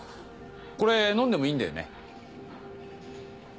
これ飲んでもいいんだよね？